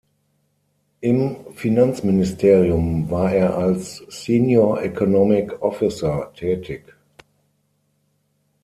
Im Finanzministerium war er als Senior Economic Officer tätig.